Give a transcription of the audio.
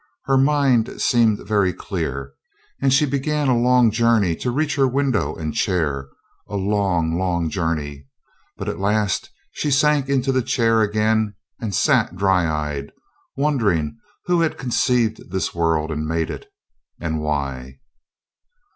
Her mind seemed very clear. And she began a long journey to reach her window and chair a long, long journey; but at last she sank into the chair again and sat dry eyed, wondering who had conceived this world and made it, and why.